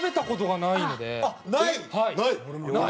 ない。